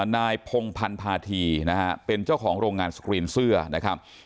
นายพงพันธาธีนะฮะเป็นเจ้าของโรงงานสกรีนเสื้อนะครับ